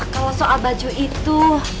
kalau soal baju itu